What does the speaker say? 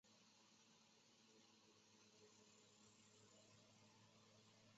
隆庆初年复官。